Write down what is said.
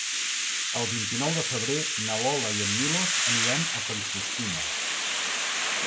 El vint-i-nou de febrer na Lola i en Milos aniran a Collsuspina.